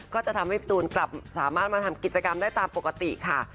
ก็จะทำให้พี่ตูนกลับสามารถมาทำกิจกรรมได้ตามปกติค่ะ